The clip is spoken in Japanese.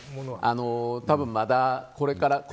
多分、まだこれから。